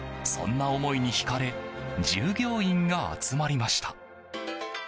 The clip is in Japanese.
そんな思いに引かれ従業員が集まりました。